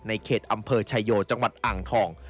เขตอำเภอชายโยจังหวัดอ่างทอง